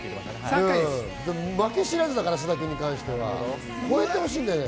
負け知らずだから、菅田君に関しては。超えてほしいんだよね。